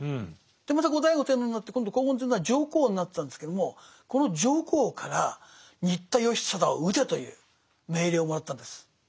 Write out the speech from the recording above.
また後醍醐天皇になって今度光厳天皇は上皇になったんですけどもこの上皇から新田義貞を討てという命令をもらったんです。